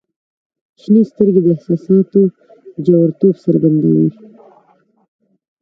• شنې سترګې د احساساتو ژوریتوب څرګندوي.